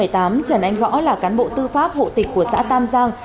trần anh võ là cán bộ tư pháp hộ tịch của xã tam giang